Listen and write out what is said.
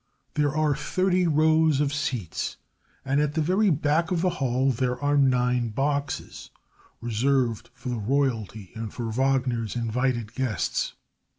There are thirty rows of seats, and at the very back of the hall there are nine boxes, reserved for royalty and for Wagner's invited guests.